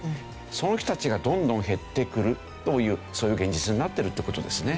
その人たちがどんどん減ってくるというそういう現実になってるって事ですね。